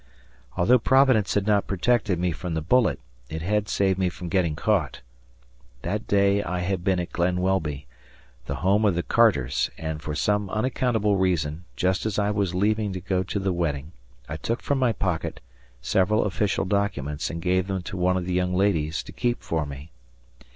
Although Providence had not protected me from the bullet, it had saved me from getting caught. That day I had been at Glen Welby, the home of the Carters, and for some unaccountable reason, just as I was leaving to go to the wedding, I took from my pocket several official documents and gave them to one of the young ladies to keep for me.